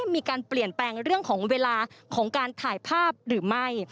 มีการเปลี่ยนแปลงเรื่องของเวลาของการถ่ายภาพหรือไม่